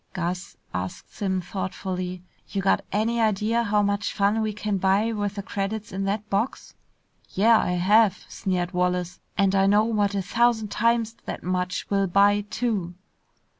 "Gus," asked Simms thoughtfully, "you got any idea how much fun we can buy with the credits in that box?" "Yeah, I have!" sneered Wallace, "and I know what a thousand times that much will buy too!"